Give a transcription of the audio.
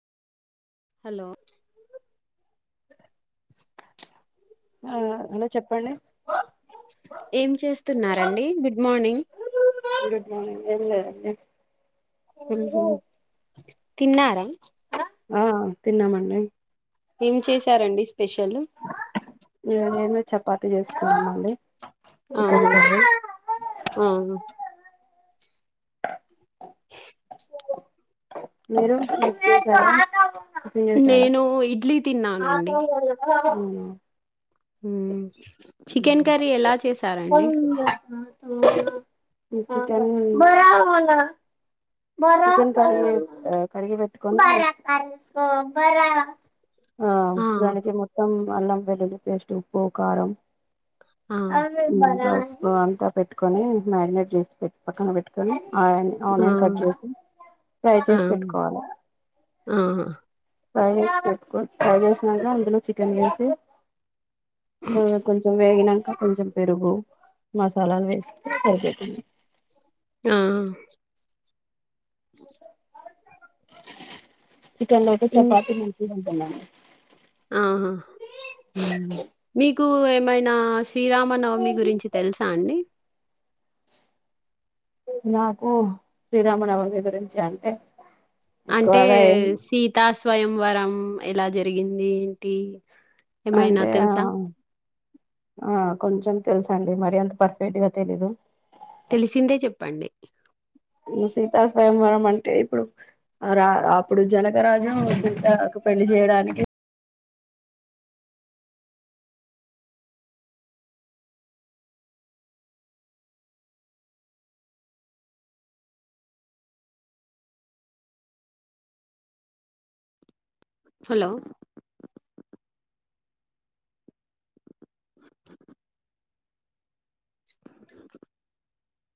hello hello hello చెప్పండి ఏం చేస్తున్నారండి గుడ్ మార్నింగ్ గుడ్ మార్నింగ్ ఏం లేదండి ఊహు తిన్నారా ఆ తిన్నామండి ఏం చేశారండి స్పెషలు ఇంకా చేసుకోలే అండీ చికెన్ ఆహా కర్రీ ఆ మీరు టిఫిన్ చేశారా టిఫిన్ చేశారా నేను ఇడ్లీ తిన్నానండి ఊ ఊ చికెన్ కర్రీ ఎలా చేసారండి చికెన్ [unintelligible] చికెన్ కర్రీ ఆ కడిగి బెట్టుకొని ఆ దానికి మొత్తం అల్లం వెల్లుల్లి పేస్ట్ ఉప్పు కారం ఆ పసుపు అంతా పెట్టుకొని మ్యాగ్నేట్ చేసి పెట్ పక్కన పెట్టుకొని ఆ ఆ ఆనియన్ కట్ చేసి ఫ్రై ఆ చేసి పెట్టుకోవాలి ఆ ఫ్రై చేే పెటు కొని ఫ్రై చేసినాక అందులో చికెన్ వేసి ఆ వేగినక కొంచెం పెరుగు మసాలాలు వేసి స్తే అయిపోతుంది హలో [unintelligible] చికెన్ లోకి ఇం చపాతి మంచిగుంటుంద ఆహా ఊ మీకు ఏమైనా శ్రీరామనవమి గురించి తెలుసా అండి నాకు శ్రీరామనవమి గురించి అంటే అంటే ఎక్కువగా ఏం సీతా స్వయం వరం ఎలా జరిగింది ఏంటి ఏమైనా అంటే ఆ తెలుసా ఆ కొంచెం తెలుసండి మరి అంత పర్ఫెక్ట్ గా తెలీదు తెలిసిందే చెప్పండి ఊ సీతా స్వయంవరం అంటే ఇప్పుడు ఆ రా అప్పుడు జనకరాజూ సీత పెళ్లి చేయడానికి హలో